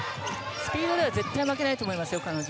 スピードでは絶対負けないと思います、彼女。